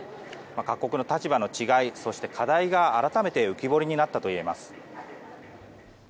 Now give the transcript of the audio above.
各国の立場の違いそして課題が改めて浮き彫りになったと言えます。